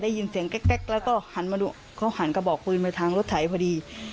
ได้ยินเสียงแก๊กแล้วก็หันกระบอกปืนไปทางรถถ่ายพอดี